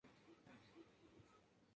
En dos dimensiones.